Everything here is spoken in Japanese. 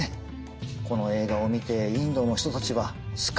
この映画を見てインドの人たちはスカッとしたんでしょう。